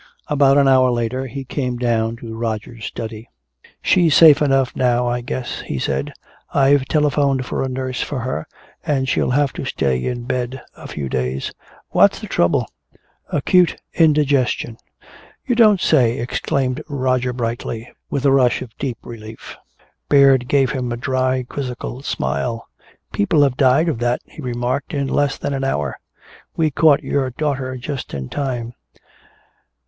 About an hour later he came down to Roger's study. "She's safe enough now, I guess," he said. "I've telephoned for a nurse for her, and she'll have to stay in bed a few days." "What's the trouble?" "Acute indigestion." "You don't say!" exclaimed Roger brightly, with a rush of deep relief. Baird gave him a dry quizzical smile. "People have died of that," he remarked, "in less than an hour. We caught your daughter just in time.